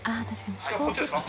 こっちですか？